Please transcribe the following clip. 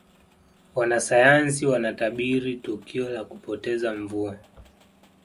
wanasayansi wanatabiri tukio la kupoteza mvua